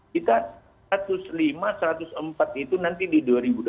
kita satu ratus lima satu ratus empat itu nanti di dua ribu dua puluh